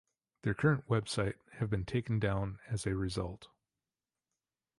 Their current website have been taken down as a result.